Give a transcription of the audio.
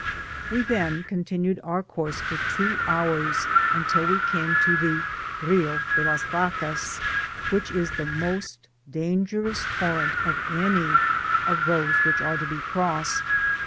We then continued our course for two hours, until we came to the *^ Rio de las Vacas," whidi is the most dangerous torrent of any of those which are to be crossed.